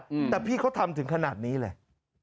อืมแต่พี่เขาทำถึงขนาดนี้เลย